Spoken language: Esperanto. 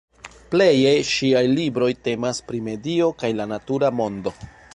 Pleje ŝiaj libroj temas pri medio kaj la natura mondo.